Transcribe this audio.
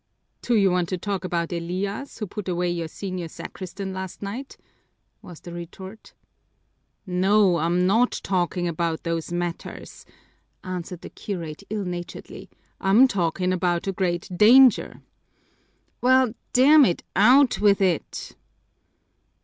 "Do you want to talk about Elias, who put away your senior sacristan last night?" was the retort. "No, I'm not talking about those matters," answered the curate ill naturedly. "I'm talking about a great danger." "Well, damn it, out with it!"